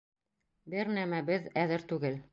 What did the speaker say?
Бер нәмәбеҙ әҙер түгел.